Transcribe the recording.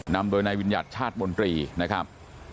นำโดยนายวิญญัติชาติมนตรีนะครับ